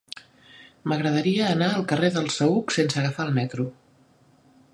M'agradaria anar al carrer del Saüc sense agafar el metro.